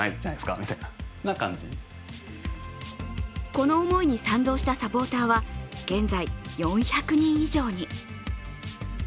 この思いに賛同したサポーターは現在４００人以上に。